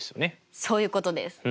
そういうことです。